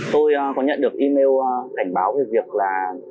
tôi có nhận được email cảnh báo về việc là